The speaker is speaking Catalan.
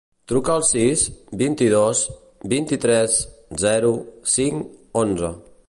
Truca al sis, vint-i-dos, vint-i-tres, zero, cinc, onze.